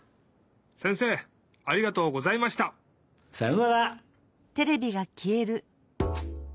せんせいありがとうございました！さようなら！